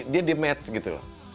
dia di match gitu loh